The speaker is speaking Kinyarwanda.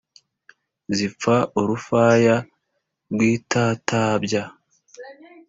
Zipfa urufaya rw'itatabya,